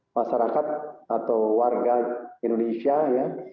masyarakat atau warga indonesia ya